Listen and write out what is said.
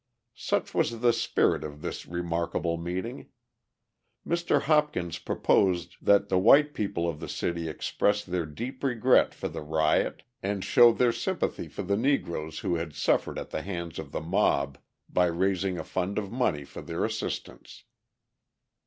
Such was the spirit of this remarkable meeting. Mr. Hopkins proposed that the white people of the city express their deep regret for the riot and show their sympathy for the Negroes who had suffered at the hands of the mob by raising a fund of money for their assistance.